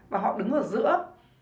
và họ đứng ở giữa